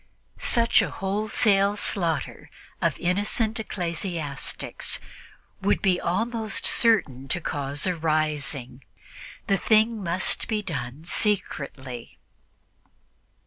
Such a wholesale slaughter of innocent ecclesiastics would be almost certain to cause a rising; the thing must be done secretly.